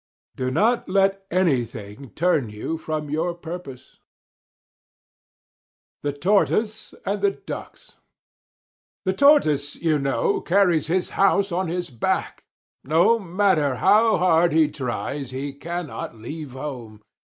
Do not let anything turn you from your purpose. THE TORTOISE AND THE DUCKS The Tortoise, you know, carries his house on his back. No matter how hard he tries, he cannot leave home.